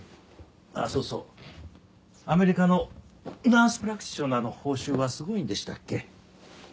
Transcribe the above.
あっそうそうアメリカのナース・プラクティショナーの報酬はすごいんでしたっけ？